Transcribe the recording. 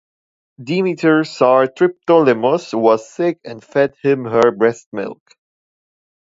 Demeter saw Triptolemus was sick and fed him her breast milk.